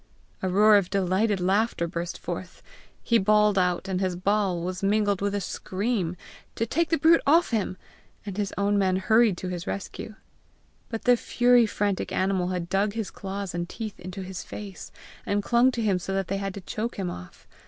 A roar of delighted laughter burst forth. He bawled out and his bawl was mingled with a scream to take the brute off him, and his own men hurried to his rescue; but the fury frantic animal had dug his claws and teeth into his face, and clung to him so that they had to choke him off.